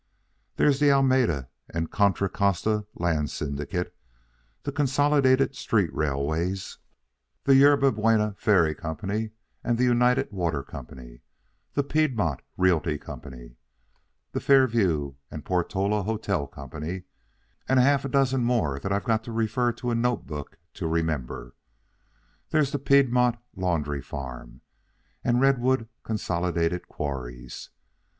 There's the Alameda & Contra Costa Land Syndicate, the Consolidated Street Railways, the Yerba Buena Ferry Company, the United Water Company, the Piedmont Realty Company, the Fairview and Portola Hotel Company, and half a dozen more that I've got to refer to a notebook to remember. There's the Piedmont Laundry Farm, and Redwood Consolidated Quarries.